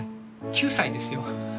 ９歳ですよ。